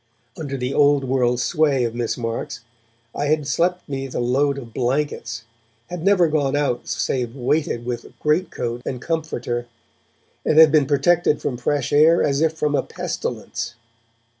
Under the old world sway of Miss Marks, I had slept beneath a load of blankets, had never gone out save weighted with great coat and comforter, and had been protected from fresh air as if from a pestilence.